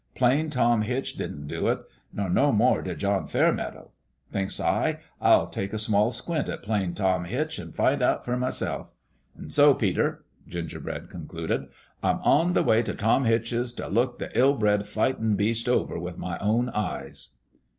Plain Tom Hitch didn't do it ; nor no more did John Fairmeadow. Thinks I, I'll take a small squint at Plain Tom Hitch an' find out for myself. An' so, Peter," Gingerbread concluded, " I'm on the way t' Tom Hitch's t' look the ill bred fightin' beast over with my own eyes."